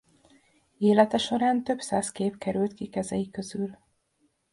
Élete során több száz kép került ki kezei közül.